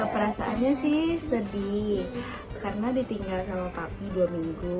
perasaannya sih sedih karena ditinggal sama papi dua minggu